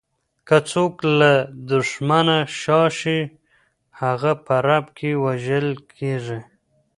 که څوک له دښمنه شا شي، هغه په رپ کې وژل کیږي.